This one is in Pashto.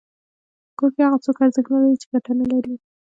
په کور کي هغه څوک ارزښت نلري چي ګټه نلري.